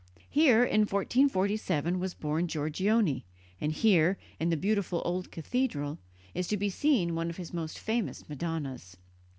Here, in 1447, was born Giorgione, and here, in the beautiful old cathedral, is to be seen one of his most famous Madonnas.